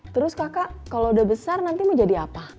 terus kakak kalau udah besar nanti mau jadi apa